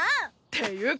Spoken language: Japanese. ていうか